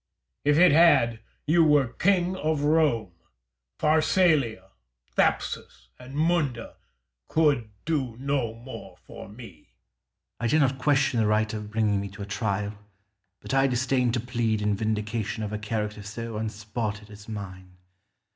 If it had, you were king of Rome. Pharsalia, Thapsus, and Munda could do no more for me. Scipio. I did not question the right of bringing me to a trial, but I disdained to plead in vindication of a character so unspotted as mine.